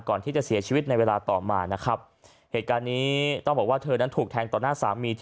ก่อนที่จะเสียชีวิตในเวลาต่อมานะครับเหตุการณ์นี้ต้องบอกว่าเธอนั้นถูกแทงต่อหน้าสามี